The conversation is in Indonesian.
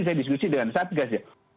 saya diskusi dengan satgas